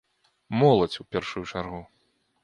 Моладзь, у першую чаргу.